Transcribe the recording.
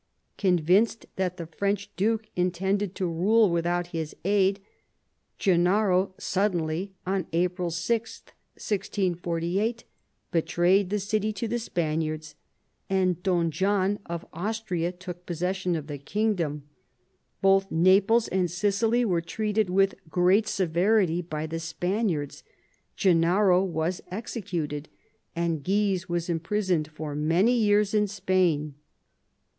Convinced that the French duke intended to rule without his aid, Gennaro suddenly, on April 6, 1648, betrayed the city to the Spaniards, and Don John of Austria took posses sion of the kingdom. Both Naples and Sicily were treated with great severity by the Spaniards, Gennaro was executed, and Guise was imprisoned for many years in Spain.